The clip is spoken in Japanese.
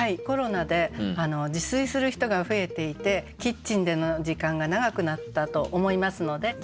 コロナで自炊する人が増えていてキッチンでの時間が長くなったと思いますので。